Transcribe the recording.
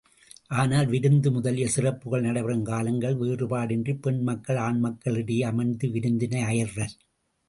ஆனால், விருந்து முதலிய சிறப்புகள் நடைபெறும் காலங்களில், வேறுபாடின்றிப் பெண்மக்கள் ஆண்மக்களிடையே அமர்ந்து விருந்தினை அயர்வர்.